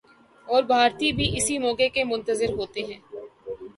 اور بھارتی بھی اسی موقع کے منتظر ہوتے ہیں۔